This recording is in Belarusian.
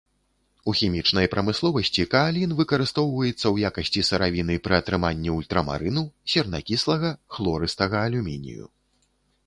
У хімічнай прамысловасці каалін выкарыстоўваецца ў якасці сыравіны пры атрыманні ультрамарыну, сернакіслага, хлорыстага алюмінію.